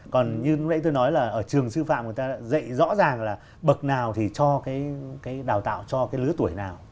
còn như lúc nãy tôi nói là ở trường sư phạm người ta đã dạy rõ ràng là bậc nào thì cho cái đào tạo cho cái lứa tuổi nào